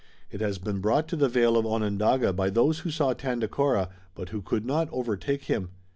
It has been brought to the vale of Onondaga by those who saw Tandakora, but who could not overtake him.